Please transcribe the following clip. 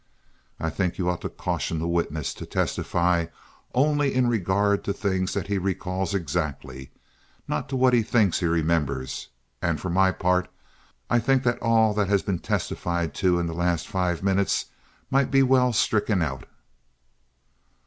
I think you ought to caution the witness to testify only in regard to things that he recalls exactly, not to what he thinks he remembers; and for my part I think that all that has been testified to in the last five minutes might be well stricken out."